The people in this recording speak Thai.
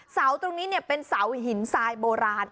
เสาตรงนี้เป็นเสาหินทรายโบราณ